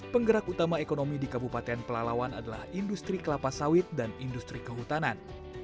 penggerak utama ekonomi di kabupaten pelalawan adalah industri kelapa sawit dan industri kehutanan